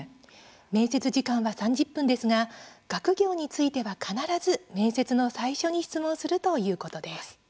面接時間は３０分ですが学業については必ず面接の最初に質問するということです。